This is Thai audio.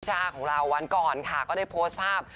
ชาของเราวันก่อนค่ะก็ได้โพสต์ภาพ